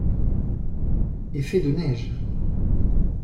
Effet de neige